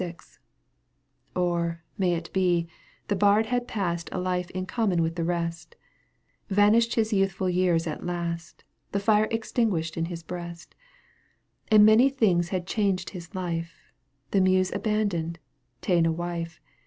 Or, it may be, the bard had passed A life in common with the rest ; Vanished his youthful years at last. The fire extinguished in his breast, In таЭТ/ things had changed his life — The Muse abandoned, ta'en a wife.